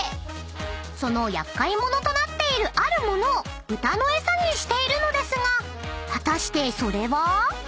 ［その厄介者となっているあるものを豚の餌にしているのですが果たしてそれは？］